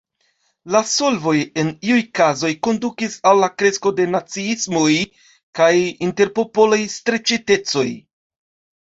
La solvoj en iuj kazoj kondukis al la kresko de naciismoj kaj interpopolaj streĉitecoj.